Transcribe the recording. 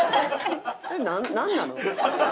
それなんなの？